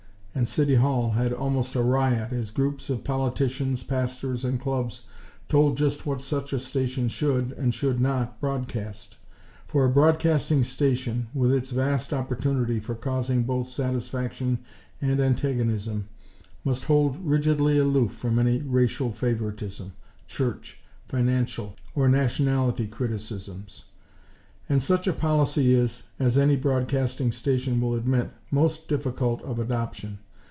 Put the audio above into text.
And City Hall had almost a riot, as groups of politicians, pastors and clubs told just what such a station should, and should not broadcast; for a broadcasting station, with its vast opportunity for causing both satisfaction and antagonism, must hold rigidly aloof from any racial favoritism, church, financial or nationality criticisms; and such a policy is, as any broadcasting station will admit, most difficult of adoption.